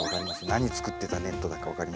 何作ってたネットだか分かりますか？